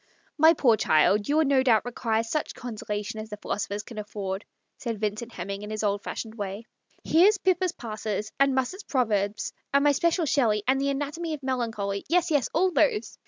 " My poor child, you will no doubt require such consolation as the philosophers can afford," said Vincent Hemming, in his some what pompous way. " Here's < Pippa Passes/ and Musset's 'Proverbes,' and my special Shelley, and the * Anatomy of Melancholy.' Yes, yes, all those."